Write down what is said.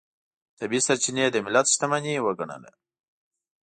طبیعي سرچینې د ملت شتمنۍ وګڼله.